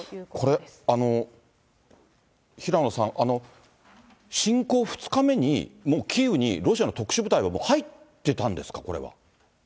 これ、平野さん、侵攻２日目に、もうキーウにロシアの特殊部隊がもう入ってたんですか、これは。